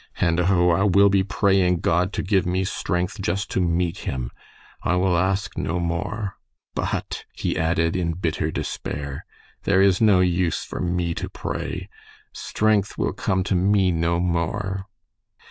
"And, oh, I will be praying God to give me strength just to meet him! I will ask no more. But," he added, in bitter despair, "there is no use for me to pray. Strength will come to me no more."